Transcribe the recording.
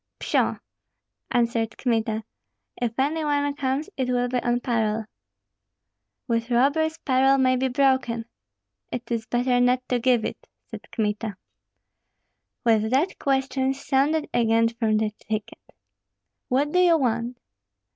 "Pshaw!" answered Kmita, "if any one comes it will be on parole." "With robbers parole may be broken." "It is better not to give it!" said Kmita. With that questions sounded again from the thicket. "What do you want?"